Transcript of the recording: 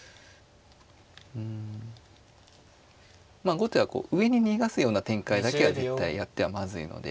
うんまあ後手は上に逃がすような展開だけは絶対やってはまずいので。